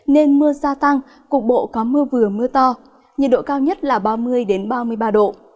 nên mưa gia tăng cục bộ có mưa vừa mưa to nhiệt độ cao nhất là ba mươi ba mươi ba độ